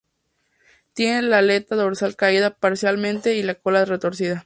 Tiene la aleta dorsal caída parcialmente y la cola retorcida.